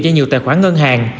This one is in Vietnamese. cho nhiều tài khoản ngân hàng